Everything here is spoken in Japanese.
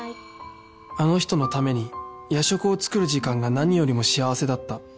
あの人のために夜食を作る時間が何よりも幸せだった